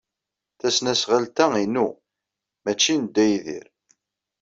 Tasnasɣalt-a inu, maci d Dda Yidir.